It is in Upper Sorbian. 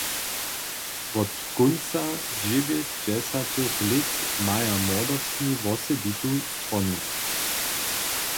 Wot kónca dźewjećdźesatych lět maja młodostni wosebitu stronu.